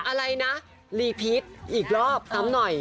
หาอะไรนะรีพิตอีกรอบสำนักหน่อย